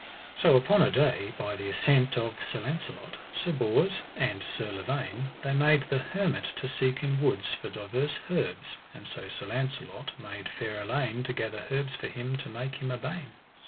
So upon a day, by the assent of Sir Launcelot, Sir Bors, and Sir Lavaine, they made the hermit to seek in woods for divers herbs, and so Sir Launcelot made fair Elaine to gather herbs for him to make him a bain.